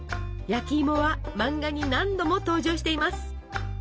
焼きいもは漫画に何度も登場しています。